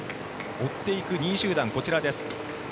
追っていく２位集団こちらです。